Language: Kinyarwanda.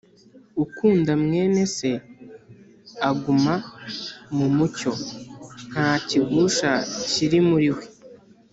Ukunda mwene Se aguma mu mucyo, nta kigusha kiri muri we,